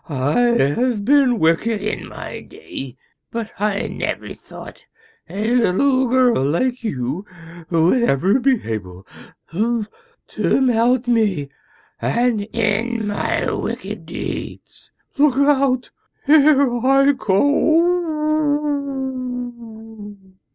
I have been wicked in my day, but I never thought a little girl like you would ever be able to melt me and end my wicked deeds. Look out—here I go!"